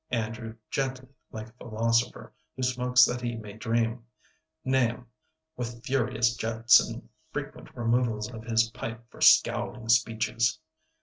Andrew gently, like a philosopher, who smokes that he may dream; Nahum with furious jets and frequent removals of his pipe for scowling speeches.